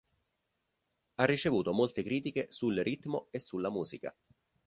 Ha ricevuto molte critiche sul ritmo e sulla musica.